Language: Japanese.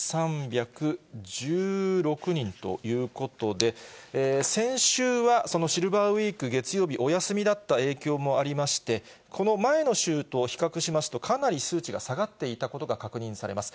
６３１６人ということで、先週は、そのシルバーウィーク、月曜日、お休みだった影響もありまして、この前の週と比較しますと、かなり数値が下がっていたことが確認されます。